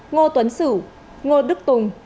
ngô tuấn sửu ngô đức tùng